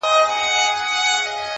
• چي یې ستا له زخمه درد و احساس راکړ..